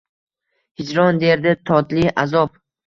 Hijron berdi totli azob